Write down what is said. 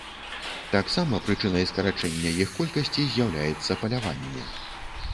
Таксама прычынай скарачэння іх колькасці з'яўляецца паляванне.